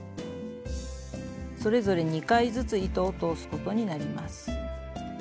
それぞれ２回ずつ糸を通すことになります。